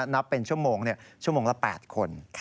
นับเป็นชั่วโมงชั่วโมงละ๘คน